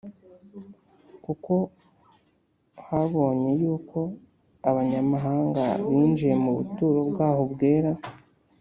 Kuko habonye yuko abanyamahanga binjiye mu buturo bwaho bwera